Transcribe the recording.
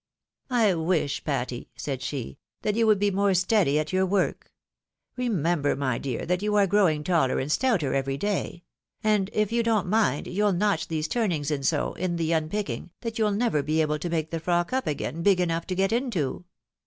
" I wish, Patty," said she, " that you would be more steady at your work. Kemember, my dear, that you are growing taller and stouter every day ; and if you don't mind, you'll notch these turnings in so, in the unpicking, that you'll never be able to make the frock up again big enough to get into.